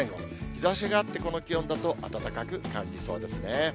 日ざしがあって、この気温だと暖かく感じそうですね。